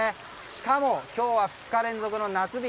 しかも、今日は２日連続の夏日